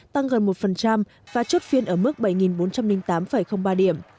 tăng gần một và chốt phiên ở mức bảy bốn trăm linh tám ba điểm